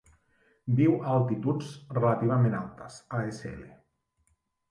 Viu a altituds relativament altes, ASL.